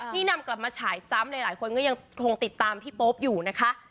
นี่นำกลับมาฉายซ้ำหลายคนก็ยังคงติดตามพี่โป๊ปอยู่นะคะ